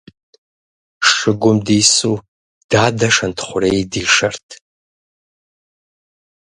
Шыгум дису дадэ Шэнтхъурей дишэрт.